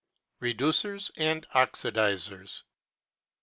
REDUCERS AND OXIDISERS.